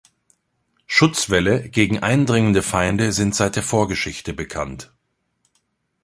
Schutzwälle gegen eindringende Feinde sind seit der Vorgeschichte bekannt.